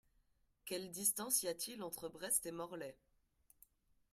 Quelle distance y a-t-il entre Brest et Morlaix ?